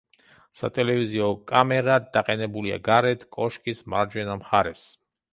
სატელევიზიო კამერა დაყენებულია გარეთ, კოშკის მარჯვენა მხარეს.